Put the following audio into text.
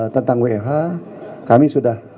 tentang who kami sudah